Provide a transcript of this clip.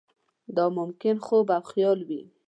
دا ممکن خوب او خیال وي.